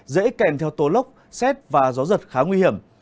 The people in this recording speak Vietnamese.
dễ kèm theo tố lốc xét và gió giật khá nguy hiểm